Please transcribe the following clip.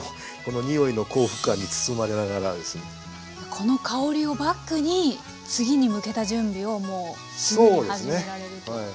この香りをバックに次に向けた準備をもうすぐに始められる。